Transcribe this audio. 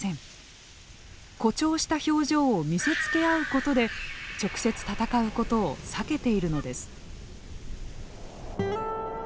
誇張した表情を見せつけ合うことで直接戦うことを避けているのです。